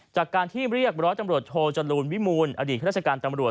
จากการที่เรียกร้อยตำรวจโทจรูลวิมูลอดีตข้าราชการตำรวจ